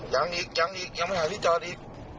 ยังอีกยังไม่หายที่จอดอีก